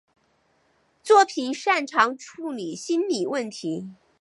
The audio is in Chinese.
作品擅长处理心理问题。